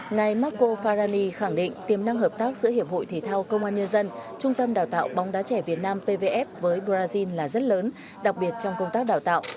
ngài marco farani khẳng định tiềm năng hợp tác giữa hiệp hội thể thao công an nhân dân trung tâm đào tạo bóng đá trẻ việt nam pvf với brazil là rất lớn đặc biệt trong công tác đào tạo